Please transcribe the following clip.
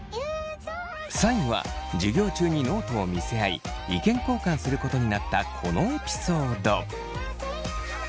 ３位は授業中にノートを見せ合い意見交換することになったこのエピソード。